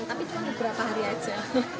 tapi cuma beberapa hari aja